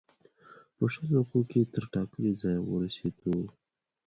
په شلو دقیقو کې تر ټاکلي ځایه ورسېدو.